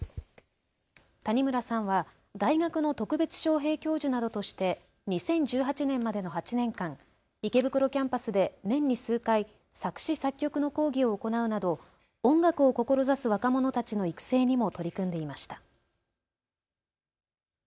谷村さんは大学の特別招へい教授などとして２０１８年までの８年間、池袋キャンパスで年に数回、作詞作曲の講義を行うなど音楽を志す若者たちの育成にも取り組んでいました。